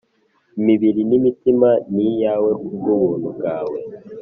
imibiri n'imitima n' iyawe kubw'ubuntu bwawe